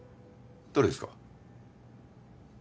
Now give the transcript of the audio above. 誰ですか？